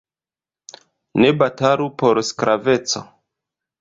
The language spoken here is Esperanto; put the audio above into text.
Ne batalu por sklaveco!